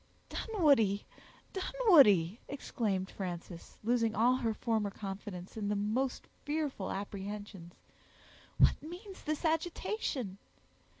"Dunwoodie! Dunwoodie!" exclaimed Frances, losing all her former confidence in the most fearful apprehensions, "what means this agitation?"